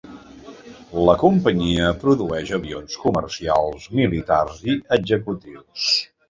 La companyia produeix avions comercials, militars i executius.